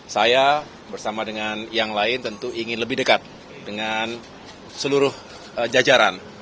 saya bersama dengan yang lain tentu ingin lebih dekat dengan seluruh jajaran